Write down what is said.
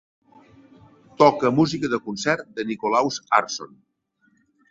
Toca música de concert de Nicholaus Arson.